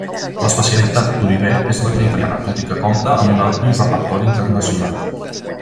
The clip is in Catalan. L'especialitat d'Oliver és la cuina italiana, tot i que compta amb un ampli repertori internacional.